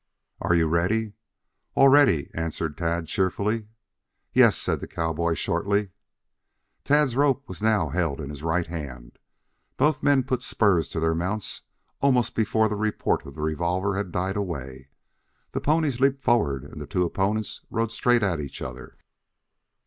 "Are you ready?" "All ready," answered Tad cheerfully. "Yes," said the cowboy shortly. Tad's rope was now held in his right hand. Both men put spurs to their mounts almost before the report of the revolver had died way. The ponies leaped forward and the two opponents rode straight at each other.